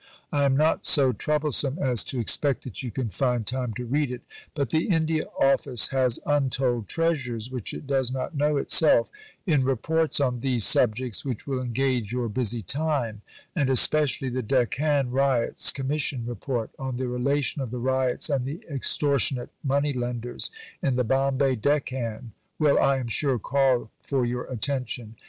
I am not so troublesome as to expect that you can find time to read it, but the India Office has untold treasures (which it does not know itself) in Reports on these subjects which will engage your busy time; and especially the Deccan Riots Commission Report, on the relation of the ryots and the extortionate money lenders in the Bombay Deccan, will, I am sure, call for your attention.